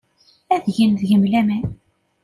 Ad geɣ deg-m laman.